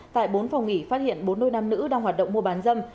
tại bốn phòng nghỉ phát hiện bốn nôi nam nữ đang hoạt động mua bán dân